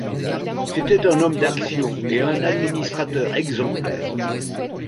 C'était un homme d'action et un administrateur exemplaire.